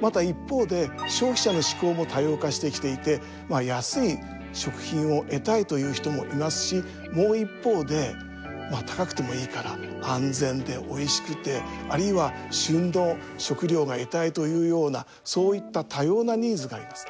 また一方で消費者の嗜好も多様化してきていて安い食品を得たいという人もいますしもう一方で高くてもいいから安全でおいしくてあるいは旬の食料が得たいというようなそういった多様なニーズがあります。